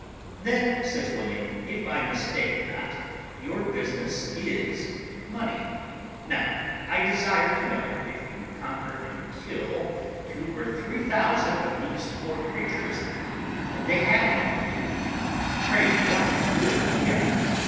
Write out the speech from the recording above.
"Then," says William, "if I mistake not, your business is money; now, I desire to know, if you conquer and kill two or three thousand of these poor creatures, they have no money, pray what will you get?